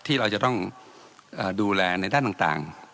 ที่เราจะต้องดูแลในด้านต่าง